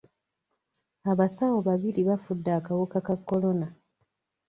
Abasawo babiri bafudde akawuka ka kolona.